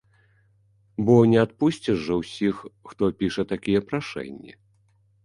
Бо не адпусціш жа ўсіх, хто піша такія прашэнні?